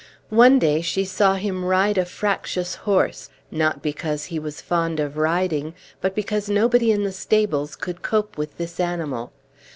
One day she saw him ride a fractious horse, not because he was fond of riding, but because nobody in the stables could cope with this animal.